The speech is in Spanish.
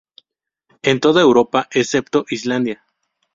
En toda Europa, excepto Islandia.